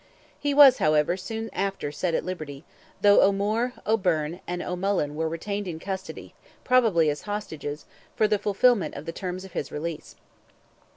He was, however, soon after set at liberty, though O'Moore, O'Byrne, and John O'Mullain were retained in custody, probably as hostages, for the fulfilment of the terms of his release.